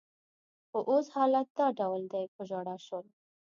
خو اوس حالت دا ډول دی، په ژړا شول.